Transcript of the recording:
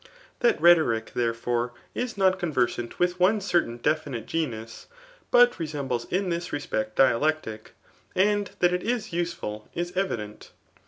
That rhetoric, therefore, is not conversant vnA one certain definite genus, but resembles in this respect ifi^ lectic, and that it is useful is evident.